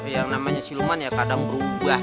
yang namanya siluman ya kadang berubah